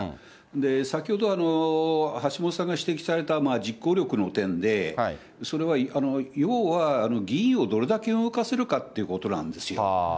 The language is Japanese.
先ほど橋下さんが指摘された実行力の点で、それは要は、議員をどれだけ動かせるかということなんですよ。